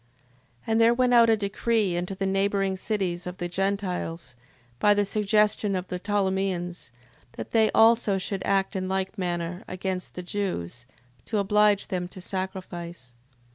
6:8. And there went out a decree into the neighbouring cities of the Gentiles, by the suggestion of the Ptolemeans, that they also should act in like manner against the Jews, to oblige them to sacrifice: 6:9.